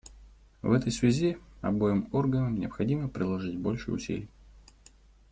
В этой связи обоим органам необходимо приложить больше усилий.